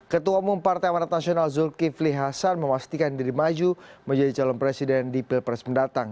ketua umum partai amanat nasional zulkifli hasan memastikan diri maju menjadi calon presiden di pilpres mendatang